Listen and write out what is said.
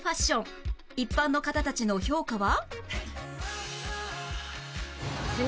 一般の方たちの評価は？